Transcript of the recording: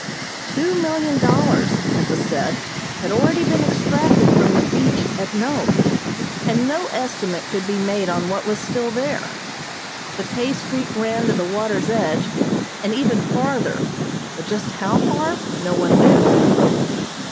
Two million dollars, it was said, had already been extracted from the beach at Nome, and no estimate could be made on what was still there. The pay streak ran to the water's edge, and even farther, but just how far, no one knew.